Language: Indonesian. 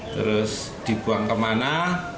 terus dibuang kemana